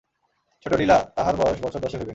ছোটো লীলা, তাহার বয়স বছর দশেক হইবে।